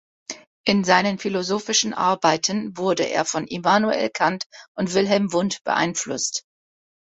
In seinen philosophischen Arbeiten wurde er von Immanuel Kant und Wilhelm Wundt beeinflusst.